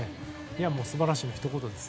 素晴らしいのひと言です。